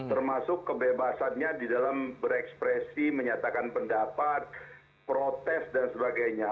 termasuk kebebasannya di dalam berekspresi menyatakan pendapat protes dan sebagainya